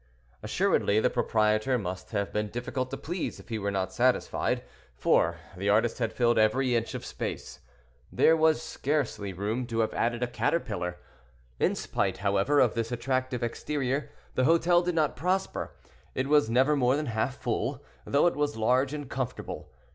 Assuredly the proprietor must have been difficult to please, if he were not satisfied, for the artist had filled every inch of space—there was scarcely room to have added a caterpillar. In spite, however, of this attractive exterior, the hotel did not prosper—it was never more than half full, though it was large and comfortable.